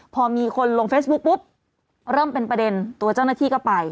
พอมีคนลงเฟซบุ๊กปุ๊บเริ่มเป็นประเด็นตัวเจ้าหน้าที่ก็ไป